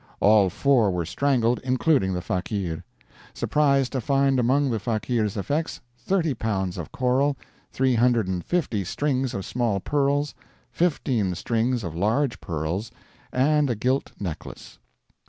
All four were strangled, including the fakeer. Surprised to find among the fakeer's effects 30 pounds of coral, 350 strings of small pearls, 15 strings of large pearls, and a gilt necklace."